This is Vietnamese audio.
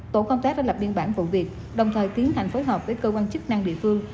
tổ công tác đã lập biên bản vụ việc đồng thời tiến hành phối hợp với cơ quan chức năng địa phương